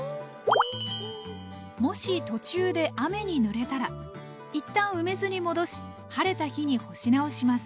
もし途中で雨にぬれたらいったん梅酢に戻し晴れた日に干し直します。